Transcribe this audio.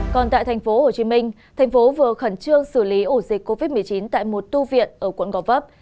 còn tại thành phố hồ chí minh thành phố vừa khẩn trương xử lý ổ dịch covid một mươi chín tại một tu viện ở quận gò vấp